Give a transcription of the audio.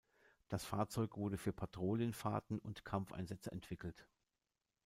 Das Fahrzeug wurde für Patrouillenfahrten und Kampfeinsätze entwickelt.